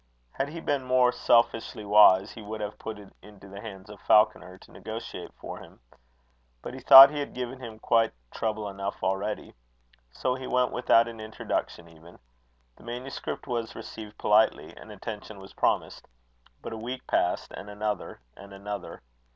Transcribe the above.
Had he been more selfishly wise, he would have put it into the hands of Falconer to negotiate for him. But he thought he had given him quite trouble enough already. So he went without an introduction even. The manuscript was received politely, and attention was promised. But a week passed, and another, and another.